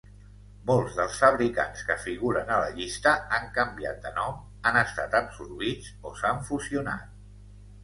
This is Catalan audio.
Molts dels fabricants que figuren a la llista han canviat de nom, han estat absorbits o s'han fusionat.